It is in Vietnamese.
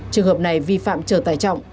trường hợp này vi phạm chở tài trọng